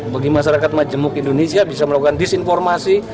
bagi masyarakat majemuk indonesia bisa melakukan disinformasi